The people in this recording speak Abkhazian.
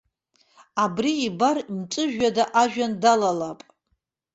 Абри ибар мҵәыжәҩада ажәҩан далалап.